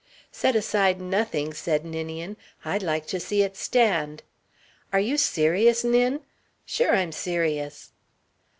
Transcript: "Set aside nothing!" said Ninian. "I'd like to see it stand." "Are you serious, Nin?" "Sure I'm serious."